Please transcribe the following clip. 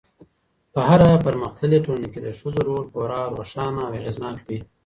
په هره پرمختللې ټولنه کي د ښځو رول خورا روښانه او اغېزناک وي